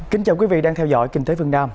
kính chào quý vị đang theo dõi kinh tế phương nam